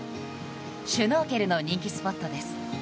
シュノーケルの人気スポットです。